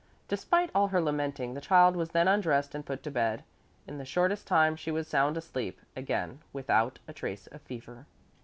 Despite all her lamenting the child was then undressed and put to bed. In the shortest time she was sound asleep again without a trace of fever.